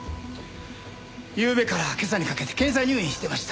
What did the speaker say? ゆうべから今朝にかけて検査入院してました。